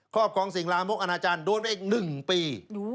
รอบครองสิ่งลามกอนาจารย์โดนไปอีก๑ปี